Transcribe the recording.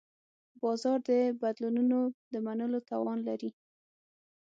بازار د بدلونونو د منلو توان لري.